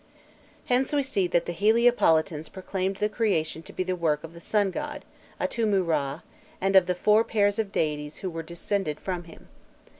Hence we see that the Heliopolitans proclaimed the creation to be the work of the sun god, Atûmû Râ, and of the four pairs of deities who were descended from him.